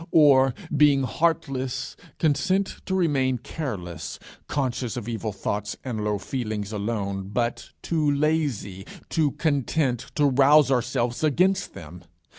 or, being heartless, consent to remain careless, conscious of evil thoughts and low feelings alone, but too lazy, too content to rouse ourselves against them?